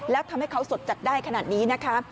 แล้วทำให้เขาสดจัดได้ขนาดนี้นะคะ